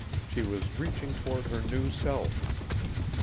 She was reaching toward her new self.